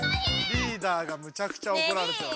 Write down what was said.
リーダーがむちゃくちゃおこられてます。